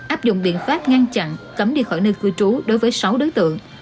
áp dụng biện pháp ngăn chặn cấm đi khỏi nơi cư trú đối với sáu đối tượng